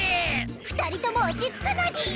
２人とも落ち着くのでぃす！